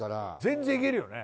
全然いけるよね。